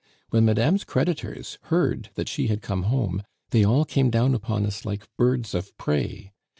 When madame's creditors heard that she had come home, they all came down upon us like birds of prey.